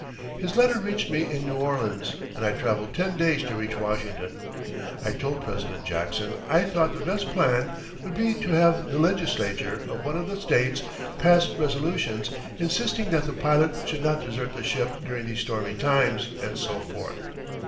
His letter reached me in New Orleans and I traveled ten days to reach Washington. I told President Jackson I thought the best plan would be to have the Legislature of one of the States pass resolutions insisting that the pilot should not desert the ship during these stormy times, and so forth.